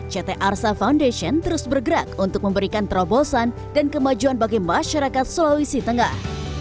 ct arsa foundation terus bergerak untuk memberikan terobosan dan kemajuan bagi masyarakat sulawesi tengah